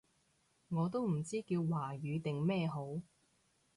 我都唔知叫華語定咩好